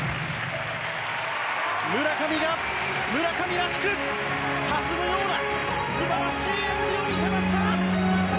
村上が村上らしく弾むような素晴らしい演技を見せました！